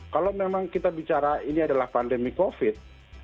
kalau memang kita bicara ini adalah pandemi covid